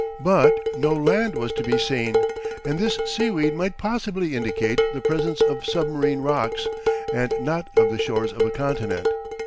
But no land was to be seen, and this seaweed might possibly indicate the presence of submarine rocks, and not of the shores of a continent.